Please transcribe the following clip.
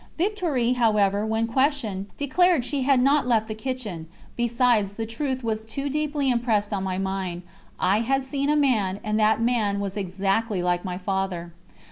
Victoire, however, when questioned, declared she had not left the kitchen besides, the truth was too deeply impressed on my mind: I had seen a man, and that man was exactly like my Father.